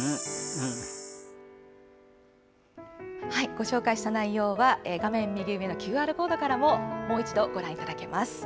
ご紹介した内容は画面右上のＱＲコードからももう一度、ご覧いただけます。